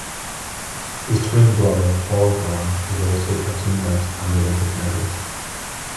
His twin brother, Paul Hamm, is also a gymnast and Olympic medalist.